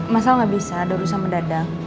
masal nggak bisa ada urusan mendadak